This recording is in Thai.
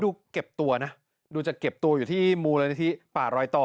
เก็บตัวนะดูจะเก็บตัวอยู่ที่มูลนิธิป่ารอยต่อ